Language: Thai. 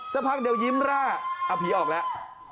สักพักเดียวยิ้มแร่เอาผีออกแล้ว